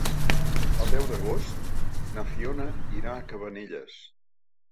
El deu d'agost na Fiona irà a Cabanelles.